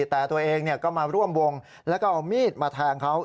แต่ตัวเองก็มาร่วมวงแล้วก็เอามีดมาแทงเขา